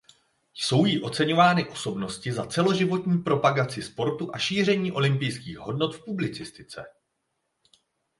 Jsou jí oceňovány osobnosti za celoživotní propagaci sportu a šíření olympijských hodnot v publicistice.